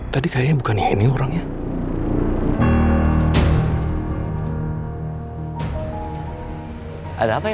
tadi saya lagi janjian sama pak sanusi disini